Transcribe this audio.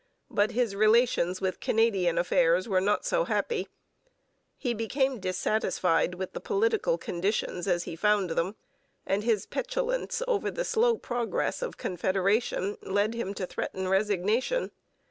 But his relations with Canadian affairs were not so happy. He became dissatisfied with the political conditions as he found them; and his petulance over the slow progress of Confederation led him to threaten resignation.